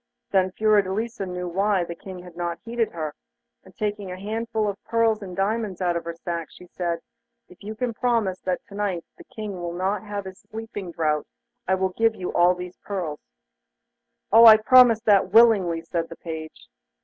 Then Fiordelisa knew why the King had not heeded her, and taking a handful of pearls and diamonds out of her sack, she said, 'If you can promise me that to night the King shall not have his sleeping draught, I will give you all these jewels.' 'Oh! I promise that willingly,' said the page.